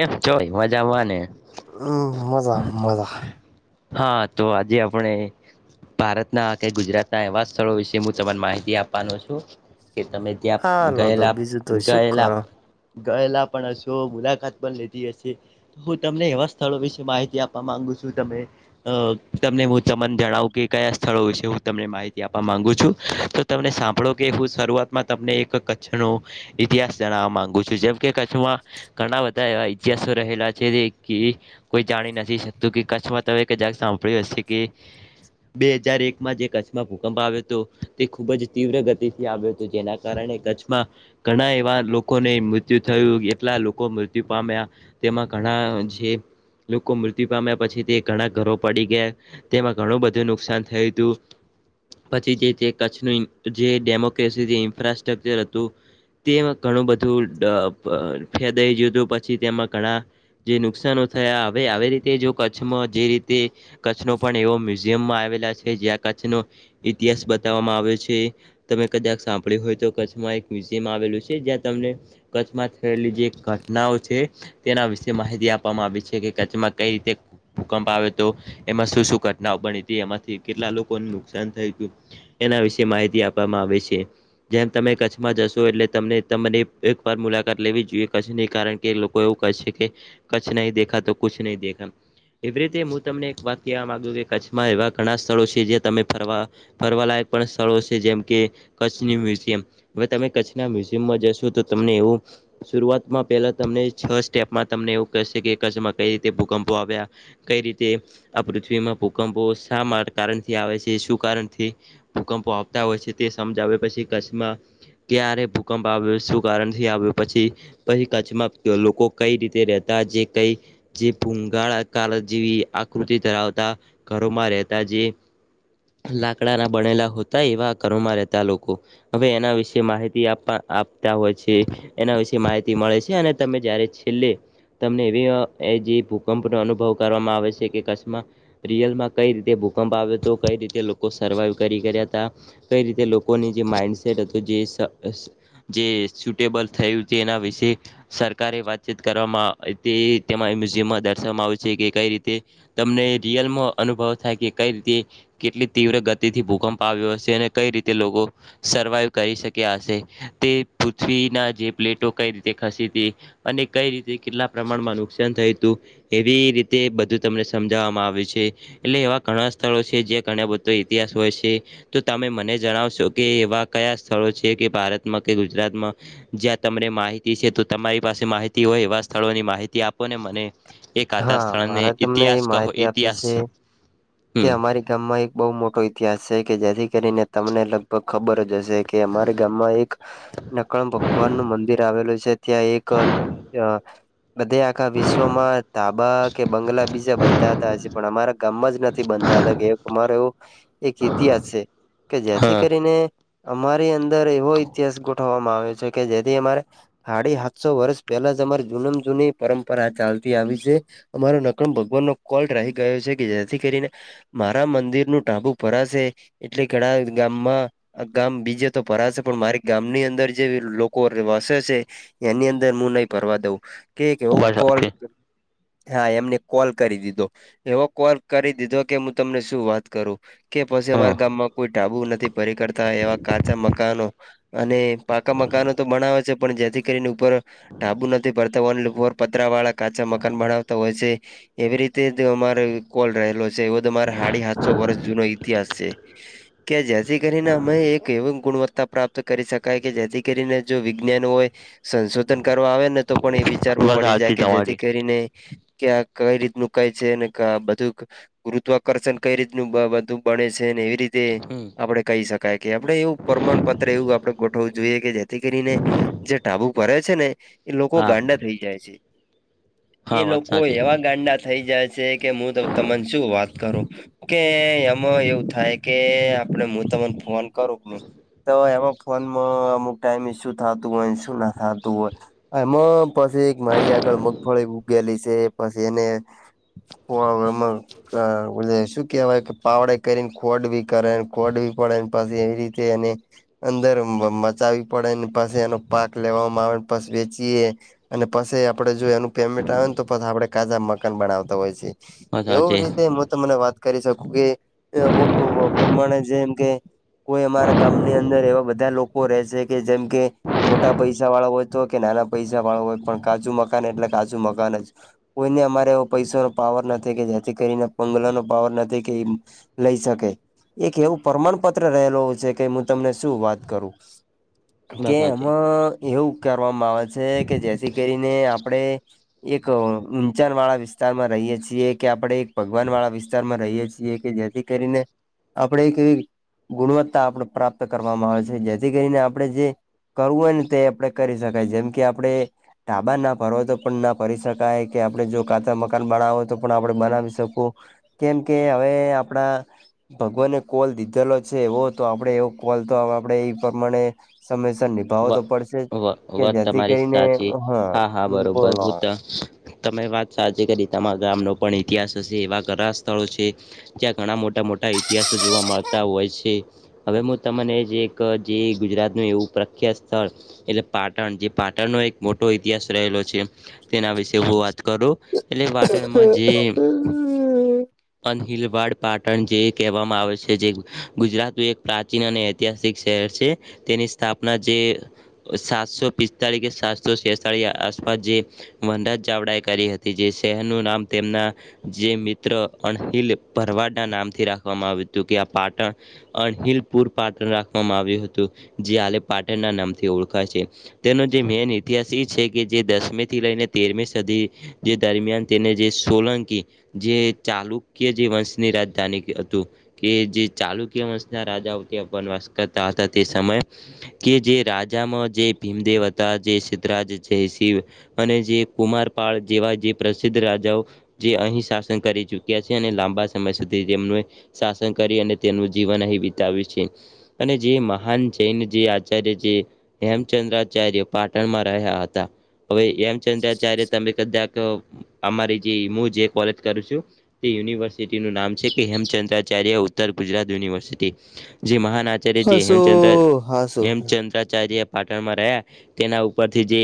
એમ જોય મજામાં ને. મજા મજા હા તો આજે આપણે ભારતના કે ગુજરાતના એવા સ્થળો વિશે હું તમાને માહિતી આપવાનો છું કે તમે ત્યા હાલો તો ગયેલા બીજું તો શું ગયેલા કરો ગયેલા પણ શો મુલાકાત બ લધ હશે તો હું તમને એવા સ્થળો વિશે માહિતી આપવા માંગુ છું તમે અ તમને હું તને જણાવું કે કયા સ્થળો વિશે હું તમને માહિતી આપવા માંગુ છું તમને સાંભળો કે હું શરૂઆતમાં તમને એક કચ્છનો ઇતિહાસ જણાવવા માંગુ છું જેમ કે કચ્છમાં ઘણા બધા ઇતિહાસો રહેલા છે કે. ઈ કોઈ જાણી નથી શકતું કે કચ્છમાં તમે એક જાગ સાંભળ્યું હશે કે બે હજાર એકમાં જે કચ્છમાં ભૂકંપ આવ્યો હતો તે ખુબ જ તીવ્ર ગતિથી આવ્યો હતો જેના કારણે કચ્છમાં ઘણા એવા લોકોને મૃત્યુ થયું કેટલા લોકો મૃત્યુ પામ્યા તેમાં ઘણા જે લોકો મૃત્યુ પામ્યા પછી તે ઘણા ઘરો પડી ગયા. તેમાં ઘણું બધું નુકસાન થયું હતું. પછી જે કચ્છનું જે ડેમોક્રેસી ઇન્ફ્રાસ્ટ્રક્ચર હતું તે ઘણું બધું ફેદઈ ગય હતું પછી તેમાં ઘણા જે નુકસાનો થયા હવે આવી રીતે જો કચ્છમાં જે રીતે કચ્છ ન પણ એવો મ્યુઝિયમમાં આવેલા છે જ્યાં કચ્છ ન ઇતિહાસ બતાવવામાં આવ્યો છે. તમે કદાક સાંભળ્યું હોય તો કચ્છમાં એક મ્યુઝિયમ આવેલું છે જ્યાં તમને કચ્છમાં થયેલી જે ક ઘનાઓ છે તેના વિશે માહિતી આપવામાં આવી છે કે કચ્છમાં કઈ રીતે ભૂકંપ આવે તો એમાં શું શું ઘટનાઓ બની હતી એમાંથી કેટલા લોકોને નુકસાન થયું તુ. એના વિશે માહિતી આપવામાં આવે છે. જેમ તમે કચ્છમાં જશો એટલે તમને તમને એક વાર મુલાકાત લેવી જોઈએ કચ્છની. કારણ કે લોકો એવું કહે છે કે કચ્છ નહી દેખા તો કછ નહી દેખા. એવી રીતે હું તમને એક વાત કહેવા મામાંગુ કે કચ્છમાં એવા ઘણા સ્થળો છે જે તમે ફરવા ફરવાલાયક પણ સ્થળો છે જેમ કે કચ્છની મ્યુઝિયમ. હવે તમે કચ્છના મ્યુઝિયમમાં જશો તો તમને એવું શરૂઆતમાં પેહલા તમને છ સ્ટેપમાં તમને એવું કહેશે કે કરછમાં કઈ રીતે ભૂકંપો આવ્યા કઈ રીતે આ પૃથ્વીમાં ભૂકંપો શા કારણથી આવે છે શું કારણથી ભૂકંપો આવતા હોય છે તે સમજાવે પછી કચ્છમાં ક્યારે ભૂકંપ આવ્યો શું કારણ થી આવ્યો પછી પછી કચ્છમાં લોકો કઈ રીતે રહેતા જે કંઈ જે ભૂંગાળાકાળ જેવી આકૃતિ ધરાવતા ઘરોમાં રહેતા જે લાકડાનાં બનેલા હોતા એવા ઘરોમાં રહેતા લોકો હવે એના વિશે માહિતી આપ આપતા હોય છે એના વિશે માહિતી મળે છે અને તમે જયારે છેલ્લે તમને એવી એ જે ભૂકંપનો અનુભવ કરવામાં આવે છે કે કચ્છમાં રિયલમાં કઈ રીતે ભૂકંપ આવ્યો હતો કઈ રીતે લોકો સર્વાઈવ કરી ગયા હતા. કઈ રીતે લોકોની જે માઈન્ડસેટ હતો જે જે સુટેબલ થયું છે એના વિશે તે સરકારે વાતચીત કરવામાં તે તેમાં મ્યુઝિયમમાં દર્શવામાં આવે છે કે કઈ રીતે તમને રિયલમા અનુભવ થાય કે કઈ રીતે કેટલી તીવ્ર ગતિથી ભૂકંપ આવ્યો હશે અને કઈ રીતે લોકો સર્વાઈવ કરી શક્યા હશે તે પૃથ્વીનાં જે પ્લેટો કઈ રીતે તે ખસી હતી અને કઈ રીતે કેટલા પ્રમાણમાં નુકસાન થયું હતું એવી રીતે બધું તમને સમજાવવામાં આવ્યું છે. એટલે એવા ઘણા સ્થળો છે જે ઘણા બધો ઇતિહાસ હોય છે. તો તમે મને જણાવશો કે એવા કયા સ્થળો છે કે ભારતમાં કે ગુજરાતમાં જ્યાં તમને માહિતી છે તો તમારી પાસે માહિતી હોય એવા સ્થળોની માહિતી આપો ને મને એક આતા હા સ્થળને મારે તમને ઇતિહાસ એ કહો માહિતી આપી ઇતિહાસ છે કે હમ અમારી ગામમાં એક બહુ મોટો ઇતિહાસ છે કે જેથી કરીને તમને લગભગ ખબર જ હશે કે અમારે ગામમાં એક નકણ ભગવાન નું મંદિર આવેલું છે ત્યાં એક [unintelligible] બધે આખા વિશ્વમાં તાબા કે બંગલા બીજા બનતા હતા પણ અમારા ગામમાં જ નથી બનતા હતા કે અમારે એવું એક ઇતિહાસ છે કે જેથી હા કરીને અમારી અંદર એવો ઇતિહાસ ગોઠવવામાં આવ્યો છે કે જેથી અમારે સાડી સાતસો વર્ષ પહેલા જ અમારી જુનમ જૂની પરંપરા ચાલતી આવી જે અમારો નકમ ભગવાન નો કોલ રાહી ગયો છે કે જેથી કરીને મારા મંદિરનું ટાભુ ભરાશે એટલે ઘણા ગામમાં આ ગામ બીજે તો ભરાશે છે પણ મારી ગામની અંદર જે લોકો વસે છે એની અંદર હું નહી ફરવા દઉં કે કેવ [unintelligible] બસ કોલ સાચી હા એમને કોલ કરી દીધો એવો કોલ કરી દીધો કે હું તમને શું વાત કરું કે પછી હા અમારા ગામમાં કોઈ ઢાબુ નથી ભરી કરતા એવા કાચા મકાનો અને પાકા મકાનો તો બનાવે છે પણ જેથી કરીને ઉપર ઢાબુ નથી ભરતા ઉપર પતરા વાળા કાચા મકાન ભનાવતા હોય છે. એવી રીતે જ અમારે કોલ રહેલો છે એવો તો મારે સાડી સાતસો વર્ષ જૂનો ઇતિહાસ છે. કે જેથી કરીને અમે એક એવી ગુણવત્તા પ્રાપ્ત કરી શકાય કે જેથી કરીને જો વિજ્ઞાન હોય સંશોધન કરવા આવે ને તો પણ એ વિચારમાં બસ પડી સાચી જાય કે જેથી તમારી [inaudible] કે કઈ રીત મુકાય છે ને બધું ગુરુત્વાકર્ષણ કઈ રીતનું [unintelligible] બધું બને છે ને એવી રીતે હમ આપડે કહી શકીએ કાંઈ કે આપણે એવું પ્રમાણપત્ર એવું આપણે ગોઠવવું જોઈએ કે જેથી કરીને જે ઢાભુ ફરે છે ને એ લોકો હા ગાંડા થઈ જાય છે. એ હા વાત લોકો સાચી એવા ગાંડા થઈ જાય છે કે હું તમને શું વાત કરું કે એમાં એવું થાય કે આપણે હું તમને ફોન કરું તો એમાં ફોનમાં અમુક ટાઈમ ઈસ્યુ થતું હો ઈસ્યુ ના થતું હોય એમાં પછી એક મારી આગળ મગફળી એવું. પછી એનેમાં હ શું કેવાય કે પાવડે કરીને ખોડ બી કરેને ખોડ બી પડેને પછી એવી રીતે એને અંદર મચાવી પડે પાછી એનો પાક લેવામાં આવે પ વેચીએ અને પછી આપડે જો એનું પેમેટ આવે ને તોછ આપડે કાજા મકાન બનાવતા હોય છેએ વાત એવું સાચી રીતે હું તમને વાત કરી શકું કે અમુક પ્રમાણે જેમ કે કોઈ અમારા ગામની અંદર એવા બધા લોકો રહેશે કે જેમ કે મોટા પૈસા વાળા હોય તોય કે નાના પૈસા વાળા હોય પણ કાચું મકાન એટલે કાચું મકાન જ કોઈને અમારે એવો પૈસો નો પાવર નથી કે જેથી કરીને પગલા નો પાવર નથી કે લઈ શકે એક એવું પ્રમાણપત્ર રહેલો છે કે હું તમને શું વાત કરું. કે વાત સાચી એમાં એવું કરવામાં આવે છે કે જેથી કરીને આપડે એક ઊંચાણ વાળા વિસ્તાર માં રહીએ છીએ કે આપડે એક ભગવાન વાળા વિસ્તાર માં રહીએ છીએ કે કરીને આપણેે કેવી ગુણવત્તા આપણે પ્રાપ્ત કરવામાં આવે છે જેથી કરીને આપણે જે કરવું હોય ને તે આપણેે કરી શકાય જેમ કે આપડે ઢાબા ના ફરવા તો પણ ના કરી શકાય કે આપણે જો કાચર મકાન બનાવ હોય તો પણ આપડણે બનાવી શકું કેમ કે હવે આપણા ભગવાને કોલ દીધેલો છે એવો તો આપડે એવો કોલ તો આપડે એ પ્રમાણે સમયસર નિભાવો વા તો પડશે વા કે વાત જેથી કરીને હા. બોલો બહુતા તમે વાત આજે કરી તમારા ગામનો પણ ઇતિહાસ હશે એવા ઘરા સ્થળો છે. ત્યાં ઘણા મોટા મોટા ઇતિહાસો જોવા મળતા હોય છે હવે હું તમને જે એક જે ગુજરાતનું એવું. મુખ સ્થળ એટલે પાટણ જે પાટણનો એક મોટો ઇતિહાસ રહેલો છે. તેના વિશેે હું વાત કરું એટલે પાટણમાં હ હ [unintelligible] અહિલવાડ પાટણ જે કહેવામાં આવે છે જે ગુજરાત એક પ્રા ચીન અને ઐતિહાસિક શહેર છે, તેની સ્થાપના જે સાતસો પિસ્તાખે સાતશો શષ તખ આસપાસ જે વનરાજ ચાવડા એ કરી હતી જે શહેરનું નામ તેમના જે મિત્ર. અણહિલ ભરવાડ ના નામથી રાખવામાં આવ્યું હતું કે આ પાટણ અણહિલપુર પાટણ રાખવામાં આવ્યું હતું જે હલે પાટણના નામથી ઓળખાય છે. તેનો જે મેન ઇતિહાસ એ છે કે જે દસમી થી લઈને તેરમી સદી જે દરમિયાન તેને જે સોલંકી જે ચાલુક્ય જે વંશની રાજધાની હતું. કે જે ચાલુક્ય વંશ ના રાજાઓથી પણ વાસ કરતા હતા તે સમયે કે જે રાજામાં જે ભીમદેવ હતા જે સદ્ધરાજ જે શિવ અને જે કુમારપળ જેવા જે પ્રસિદ્ધ રાજાઓ જે અહીં શાસન કરે છે છે અને લાંબા સમય સુધી તેમનું શાસન કરી અને તેનું જીવન અહી વિતાવે્યું છે અને જે મહાન જૈન જે આચાર્ય જે હેમચંદ્રાચાર્ય પાટણમાં રહ્યા હતા હવે એમચંદ્રાચાર્ય તમે કદાક અમારી જે હું જે કરું છું યુનિવર્સિટીનું નામ છે કે હેમચંદ્રાચાર્ય ઉત્તર ગુજરાત યુનિવર્સિટી જે મહાનટ્ય જયારે હેમચંદ્ર હસું હસું હેમચંદ્રાચાર્ય પાટણમાં રહ્યા તેના ઉપરથી જે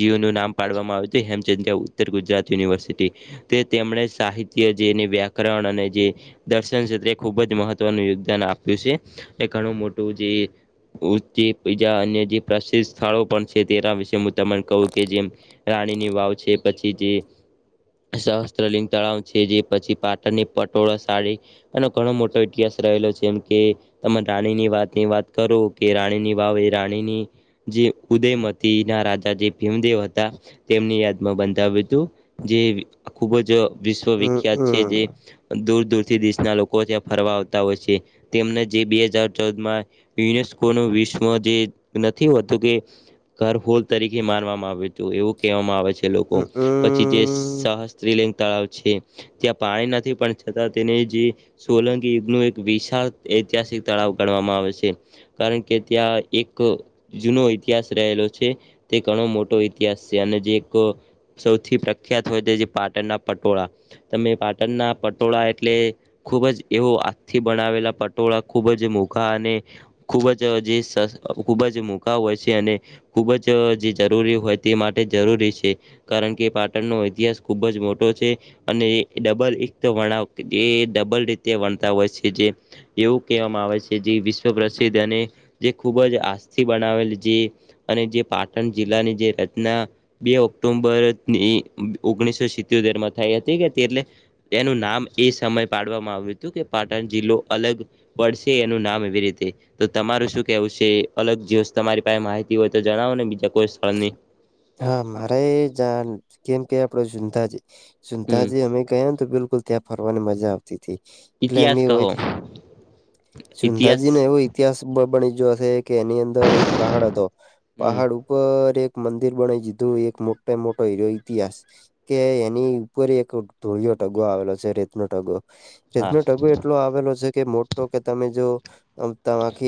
જ નું નામ પાડવામાં આવ્યું છે હેમચંદ ઉત્તર ગુજરાત યુનિવર્સિટી તે તેમણે સાહિત્ય જે વ્યાકરણ અને જે દર્શન ક્ષેત્ર એ ખુબ જ મહત્વનું યોગદાન આપ્યું છે. એ ઘણું મોટું જે. જે બીજા અન્ય જે પ્રસિદ્ધ સ્થળો પણ છે તેના વિશેું તમને કહું કે જેમ. રાણીની વાવ છે પછી જે સહસ્ત્રલિંગ તળાવ છે જે પછી પાટણની પટોળા સાડી એનો ઘણો મોટો ઇતિહાસ રહેલો જેમ કે તમે રાણી ની વાતની વાત કરો કે રાણીની વાવે એ રાણીની જે ઉદયમતી ના રાજા જે ભીમદેવ હતા તેમની યાદમાં બંધાવ્યું હતું જે ખુબ જ હમ વિશ્વવખ્યાત હમ દૂર દૂરથી દેશના લોકો ત્યાં ફરવા આવતા હોય છે તેમને જે બે હજાર ચૌદમાં યુનેસ્કોનું વિશ્વ જે નથી હોતું કે. ઘર હોલ તરીકે મારવામાં આવે હતું એવું કહેવામાં આવે છે. લોકો પછી જે હમ સહસ્ત્રીલંગ તળાવ છે. ત્યાં પાણી નથી પણ છતાં તેની જે. સોલંગ યુગ નું એક વિશાળ ઐતિહાસિક તળાવ ગણવામાં આવે છે. કારણ કે ત્યા એક. જૂનો ઇતિહાસ રહેલો છે તે ઘણો મોટો ઈતિહાસ છે અને જે એક. સૌથી પ્રખ્યાત હોય તે પાટણના પટોળા તમે પાટણના પટોળા એટલે. ખુબ જ એવો આથથી બનાવેલા પટોળા ખુબ જ મોઘા અને. ખૂબ જ જે ખૂબ જ મુકા હોય છે અને. ખુબ જ જે જરૂરી હોય તે માટે જરૂરી છે. કારણ કે પાટણનો ઇતિહાસ ખુબ જ મોટો છે. અને ડબલ એક તો વણાવ જે ડબલ રીતે વણતા હોય છે જે. એવું કહેવામાં આવે છે જે વિશ્વ પ્રસિદ્ધ અને જે ખૂબ જ આસ્થથી બનાવેલ જે. અને જે પાટણ જિલ્લાની જે રચના. બે ઓક્ટોમબર ઓગણીસો સિત્યોતેર માં થઈ હતી કે હતી એટલે. તેનું નામ એ સમય પાડવામાં આવ્યું હતું કે પાટણ જિલ્લો અલગ. પડશે એનું નામ એવી રીતે. તો તમારું શું કેવું છે અલગ જે તમારી પાસે માહિતી હોય તો જણાવો ને બીજા કોઈ સ્થળની. હા મારે એ કેમ કે આપડે તાજીન હમ તાજી અમે કયા ને તો બિલકુલ. ત્યાં ફરવાની મજા આવતી હતી એટલે અમ ઇતિહાસ કહો હોય. ઇતિહાસ સુંંધાજી ને એવો ઈતિહાસ બની ગયો હશે. કે એની અંદર એક પહાડ હતો હમ પહાડ ઉપર. ઉપર એક મંદિર બના જીધું એક મોટા મોટો હીરો ઇતિહાસ. કે એની ઉપર એક ધોળિયો ટગો આવેલો છે રેતનો ટગો. હા રનો ટગુ એટલો આવેલો છે કે મોટો કે તમે જો. ત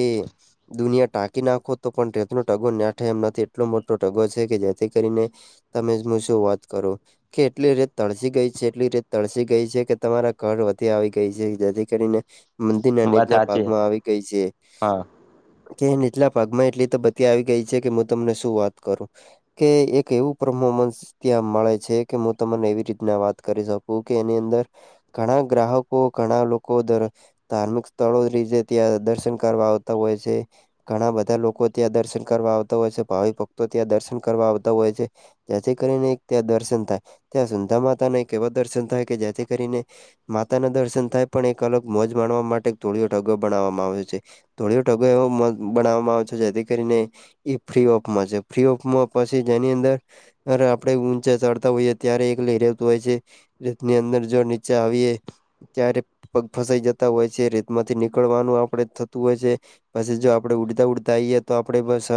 દુનિયા ટા કી નાખો તો પણ રતનો ટગો નાઠ એમ નથી એટલો મોટો ટગો છે કે જેથી કરીને. તમેજ હું શું વાત કરો? કે એટલી રીત તળસી ગઈ છે એટલી રીત તળસી ગઈ છે કે તમારા ઘર વધી આવી ગઈ છે જેથી કરીને. મંદિરના વાત નીચલા સાચી ભાગમાં આવી ગઈ છે. હા કે નીચલા ભાગમાં એટલી તો બતી આવી ગઈ છે કે હું તમને શું વાત કરું. કે એક એવું પરફોર્મન્સ. ત્યાં મળે છે કે હું તમને એવી રીતના વાત કરી શકું કે એની અંદર. ઘણા ગ્રાહકો ઘણા લોકોર. ધાર્મિક સ્થળો રીજ ત્યાં દર્શન કરવા આવતા હોય છે. ઘણા બધા લોકો ત્યાં દર્શન કરવા આવતા હોય છે ભાવિ ભક્તો ત્યાં દર્શન કરવા આવતા હોય છે. જેથી કરીને ત્યાં દર્શન થાય ત્યાં સુંધર માતા ન એક એવા દર્શન થાય કે જેથી કરીને. માતાના દર્શન થાય પણ એક અલગ મોજ માણવા માટે ધોળિયો ઢગો બનાવવામાં આવ્યો છે. થોડી ઢગો એવો બનાવવામાં આવે છે જેથી કરીને. એ ફ્રી ઓફમાં છે ફ્રી ઓફમાં પછી જેની અંદર. અ આપડણે ઊંચા ચડતા હોઈએ ત્યારે એક લઇ રહેતું હોય છે. રતની અંદર જો નીચે આવીએે ત્યારે પગ ફસાઈ જતા હોય છે રીતમાંથી નીકળવાનું આપડે થતું હોય છે પછી જો આપડે ઉડતા ઉડતા આઈએ તો આપડે બસ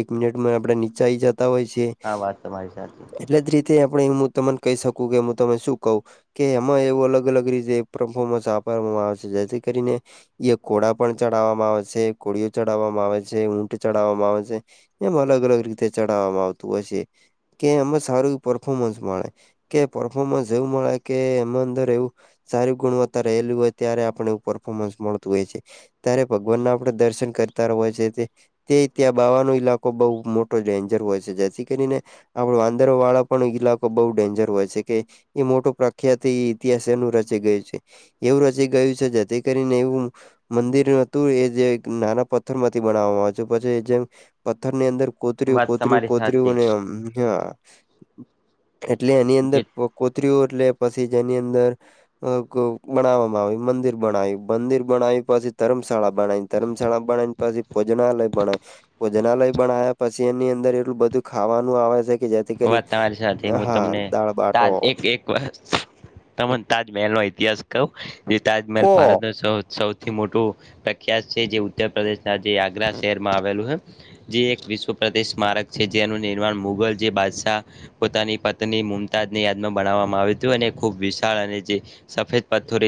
એક મિનિટમાં આપડે નીચાઈ જતા હોય છે. હા વાત તમારી સાથે છે. એટલે જ રીતે આપણે હું તમને કહી શકું કે હું તને શું કું. કે એમાં એવું અલગ અલગ રીતે પરફોર્મન્સ આપવામાં આવે છે જેથી કરીને. એ કોળા પણ ચડાવવામાં આવે છે કોળીયો ચડાવવામાં આવે છે ઊંટ ચડાવવામાં આવે છે. એમ અલગ અલગ રીતે ચડાવવામાં આવતું હશે કે એમાં સારું એ પરફોર્મન્સ મળે. કે પર્ફોર્મન્સ એવું મળે કે એમાં અંદર એવું સારી ગુણવત્તા રહેલી હોય ત્યારે આપણને એવું પરફોર્મન્સ મળતું હોય છે ત્યારે ભગવાનના આપણે દર્શન કરતા હોય છે તે ત્યાં બાવાનો ઈલાકો બઉુ મોટો ડેન્જર હોય છે જેથી કરીને આપડ વાંદર વાળા પણ ઈલાકો બઉુ ડેન્જર હોય છે કે એ મોટો પ્રખ્યાત એ ઇતિહાસ એનું રચે ગયું છે એવું જે ગયું છે જે તે કરીને એવું મંદિર હતું એ જે નાના પથ્થર માંથી બનાવવામાં આવે છે પછી જેમ પથ્થર ની અંદર કોતર વાત કોત્રી તમારી કોતરી સાચી અને એટલે એની અંદર કોત્રીઓ એટલે પછી જેની અંદર ગણવામાં મંદિર બના્યું મંદિર બનાવી્યું પછી ધર્મશાળા બનાવી ધર્મશાળા બનાવીને પછી ભોજનાલય બણાય ભોજનાલય બના્યા પછી એની અંદર એટલું બધું ખાવાનું આવે છે કે જે વાત તમારી સાથે હું તમને બાટો એક એક વાર તમે તાજમહેલ નો ઇતિહાસ કહ જે તાજમહેલ કો ભારત ન સૌ થી મોટું પ્રખ્યાત છે જે ઉત્તર પ્રદેશ ના જે આગ્રા શહેર માં આવેલું છે જે એક વિશ્વ પ્રદેશ સ્મારક છે જેનું નિર્માણ મુઘલ જે બાદશાહ પોતાની પત્ની મુમતાજની યાદમાં બનાવવામાં આવ્યું હતું અને ખુબ વિશાળ અને જે સફેદ પથ્થરે